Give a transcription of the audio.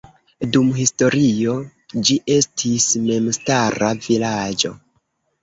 Dum historio ĝi estis memstara vilaĝo.